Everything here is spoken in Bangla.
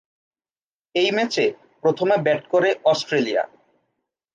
এই ম্যাচে প্রথমে ব্যাট করে অস্ট্রেলিয়া।